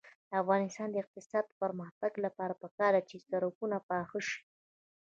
د افغانستان د اقتصادي پرمختګ لپاره پکار ده چې سړکونه پاخه شي.